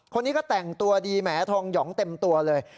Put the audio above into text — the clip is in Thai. คนนี้ก็แต่งตัวดีแหมทองหยองเต็มตัวเลย